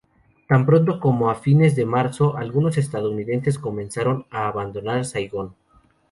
Tan pronto como a fines de marzo, algunos estadounidenses comenzaron a abandonar Saigón.